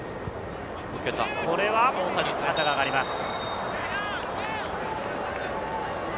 これは旗が上がります。